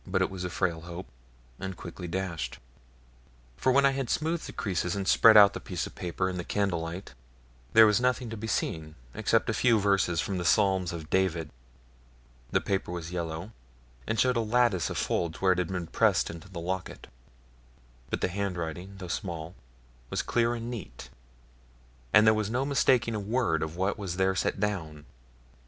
It was but a frail hope, and quickly dashed; for when I had smoothed the creases and spread out the piece of paper in the candle light, there was nothing to be seen except a few verses from the Psalms of David. The paper was yellow, and showed a lattice of folds where it had been pressed into the locket; but the handwriting, though small, was clear and neat, and there was no mistaking a word of what was there set down.